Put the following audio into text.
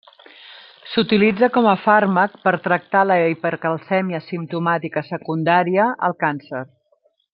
S'utilitza com a fàrmac per tractar la hipercalcèmia simptomàtica secundària al càncer.